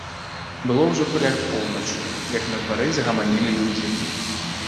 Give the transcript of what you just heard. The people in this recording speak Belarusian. Было ўжо каля поўначы, як на двары загаманілі людзі.